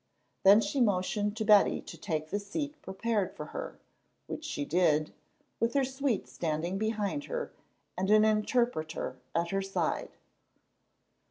Then she motioned to Betty to take the seat prepared for her, which she did, with her suite standing behind her and an interpreter at her side.